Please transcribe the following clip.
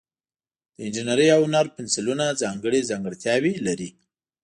د انجینرۍ او هنر پنسلونه ځانګړي ځانګړتیاوې لري.